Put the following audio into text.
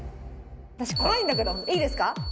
私怖いんだけどいいですか？